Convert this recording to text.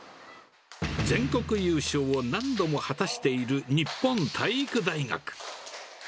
全国優勝を何度も果たしている日本体育大学。